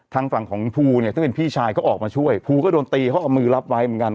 ทางฝั่งของภูเนี่ยซึ่งเป็นพี่ชายเขาออกมาช่วยภูก็โดนตีเขาเอามือรับไว้เหมือนกัน